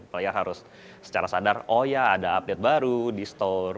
supaya harus secara sadar oh ya ada update baru di store